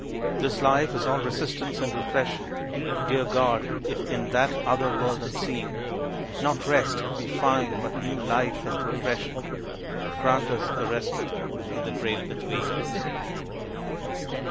This life is all resistance and repression, Dear God, if in that other world unseen, Not rest, we find, but new life and progression, Grant us a respite in the grave between.